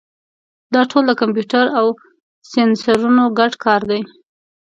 دا ټول د کمپیوټر او سینسرونو ګډ کار دی.